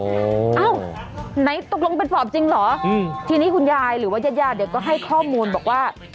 เอ้าไหนตกลงเป็นปอบจริงเหรออืมทีนี้คุณยายหรือว่ายาดเนี่ยก็ให้ข้อมูลบอกว่า